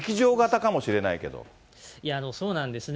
いや、そうなんですね。